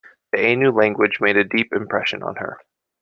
The Ainu language made a deep impression on her.